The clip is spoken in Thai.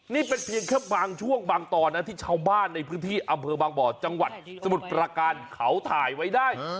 นี่เป็นเพียงแค่บางช่วงบางตอนนะที่ชาวบ้านในพื้นที่อำเภอบางบ่อจังหวัดสมุทรประการเขาถ่ายไว้ได้